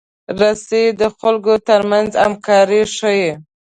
رسۍ د خلکو ترمنځ همکاري ښيي.